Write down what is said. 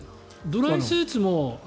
ドライスーツも。